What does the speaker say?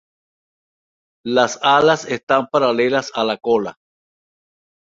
Las alas están paralelas a la cola.